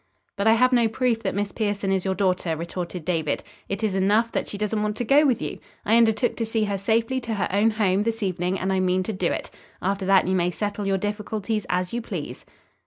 "But I have no proof that Miss Pierson is your daughter," retorted David. "It is enough that she doesn't want to go with you. I undertook to see her safely to her own home, this evening, and I mean to do it. After that you may settle your difficulties as you please."